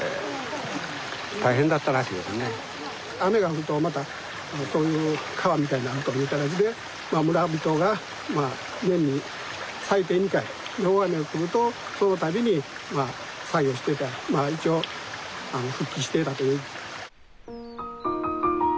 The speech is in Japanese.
雨が降るとまたそういう川みたいになるという形で村人が年に最低２回大雨が降るとその度に作業してた一応復旧していたという。